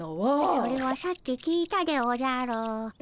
それはさっき聞いたでおじゃる。